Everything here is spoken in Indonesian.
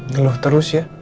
ngeluh terus ya